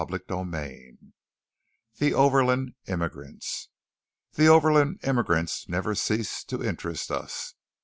CHAPTER XXXIII THE OVERLAND IMMIGRANTS The overland immigrants never ceased to interest us.